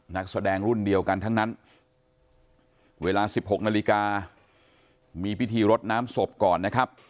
นักแสดงรุ่นเดียวกันทั้งนั้นเวลา๑๖นาฬิกามีพิธีรดน้ำศพก่อนนะครับ